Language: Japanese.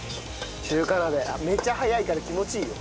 中華鍋めっちゃ早いから気持ちいいよ。